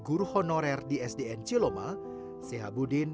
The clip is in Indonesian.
lebih cek leher dapat lebih tebal